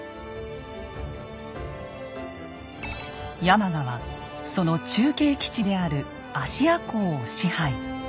山鹿はその中継基地である芦屋港を支配。